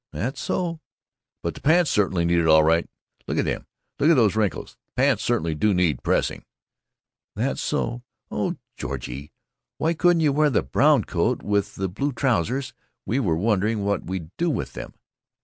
"That's so." "But the pants certainly need it, all right. Look at them look at those wrinkles the pants certainly do need pressing." "That's so. Oh, Georgie, why couldn't you wear the brown coat with the blue trousers we were wondering what we'd do with them?"